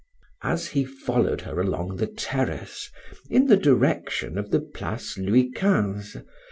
As he followed her along the terrace, in the direction of the Place Louis XV.